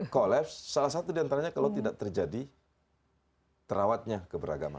kolapse salah satu diantaranya kalau tidak terjadi terawatnya keberagaman